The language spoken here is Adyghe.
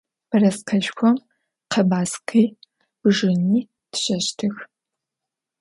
Бэрэскэшхом къэбаскъи бжьыни тщэщтых.